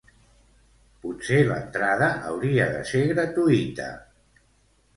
Potser l'entrada hauria de ser gratuïta.